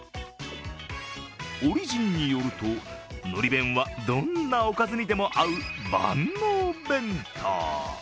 オリジンによるとのり弁はどんなおかずにでも合う万能弁当。